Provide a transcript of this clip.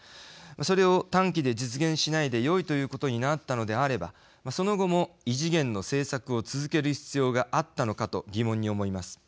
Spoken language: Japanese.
それを短期で実現しないでよいということになったのであればその後も異次元の政策を続ける必要があったのかと疑問に思います。